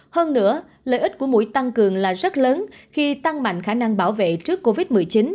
hơn nữa lợi ích của mũi tăng cường là rất lớn khi tăng mạnh khả năng bảo vệ trước covid một mươi chín